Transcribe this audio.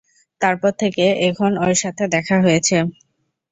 তার পর থেকে এখন ওর সাথে দেখা হয়েছে।